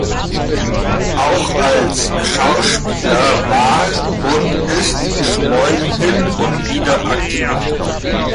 Auch als Schauspieler war und ist Schmoll hin und wieder aktiv.